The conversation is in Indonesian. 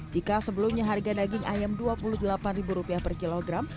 jika sebelumnya harga daging ayam rp dua puluh delapan per kilogram